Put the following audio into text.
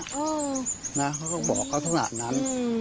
เขาก็บอกเขาทั้งหลักนั้น